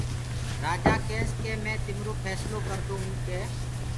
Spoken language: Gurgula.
رآجآ ڪيس مي تِمرو ڦيسلو ڪردونٚ ڪي